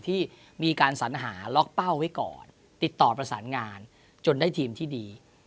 ที่มีการสัญหาล็อกเป้าไว้ก่อนติดต่อประสานงานจนได้ทีมที่ดี